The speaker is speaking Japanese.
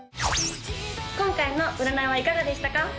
今回の占いはいかがでしたか？